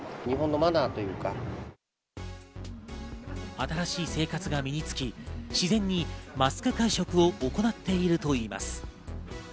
新しい生活が身に付き、自然にマスク会食を行っているといいます。